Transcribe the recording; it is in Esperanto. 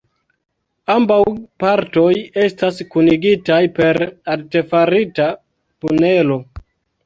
Ambaŭ partoj estas kunigitaj per artefarita tunelo.